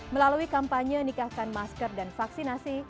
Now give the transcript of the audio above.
melalui kampanye nikahkan masker dan vaksinasi